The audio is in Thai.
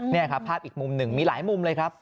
นี่ครับภาพอีกมุมหนึ่งมีหลายมุมเลยครับ